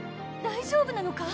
大丈夫なのか？